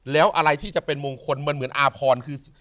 แล้วอะไรที่จะเป็นมงคลมันเหมือนอาพรคือ